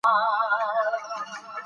ماشومان ښونځي ته ځي